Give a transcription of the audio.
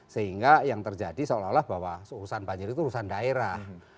sehingga yang terjadi seolah olah bahwa urusan banjir itu urusan daerah